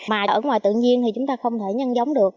mà ở ngoài tự nhiên thì chúng ta không thể nhân giống được